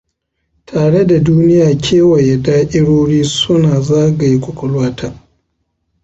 Tare da duniya kewaya da'irori suna zagaye kwakwalwata.